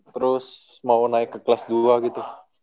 terus mau naik ke kelas dua gitu